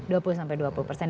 dua puluh sampai dua puluh persen